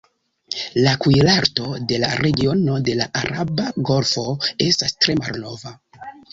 La kuirarto de la regiono de la araba golfo estas tre malnova.